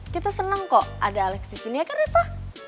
kita seneng kok ada alex disini ya kan reva